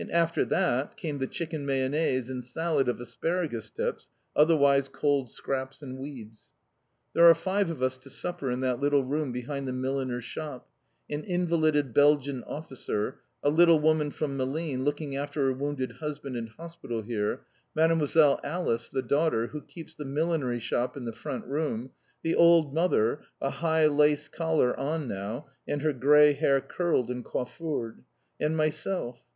After that came the chicken mayonnaise and salad of asparagus tips (otherwise cold scraps and weeds). There are five of us to supper in that little room behind the milliner's shop an invalided Belgian officer; a little woman from Malines looking after her wounded husband in hospital here; Mdlle. Alice, the daughter, who keeps the millinery shop in the front room; the old mother, a high lace collar on now, and her grey hair curled and coiffured; and myself.